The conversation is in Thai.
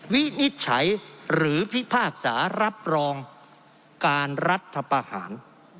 วินิจฉัยหรือพิพากษารับรองการรัฐประหาร